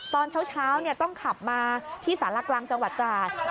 ตอนเช้าต้องขับมาที่สารกลางจังหวัดตราด